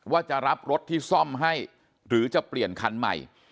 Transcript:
ว่าจะรับรถที่ซ่อมให้หรือจะเปลี่ยนคันใหม่